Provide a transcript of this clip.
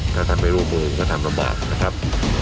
ถ้าท่านไม่ร่วมมือก็ทำลำบากนะครับ